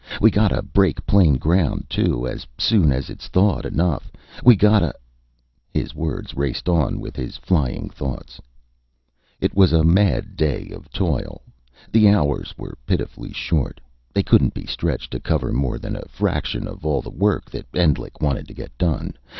We gotta break plain ground, too, as soon as it's thawed enough. We gotta...." His words raced on with his flying thoughts. It was a mad day of toil. The hours were pitifully short. They couldn't be stretched to cover more than a fraction of all the work that Endlich wanted to get done.